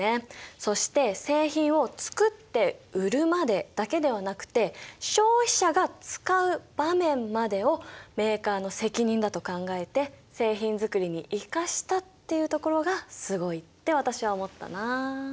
そして製品をつくって売るまでだけではなくて消費者が使う場面までをメーカーの責任だと考えて製品づくりに生かしたっていうところがすごいって私は思ったな。